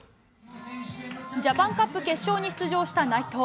ジャパンカップ決勝に出場した内藤。